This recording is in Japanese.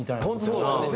そうですよね。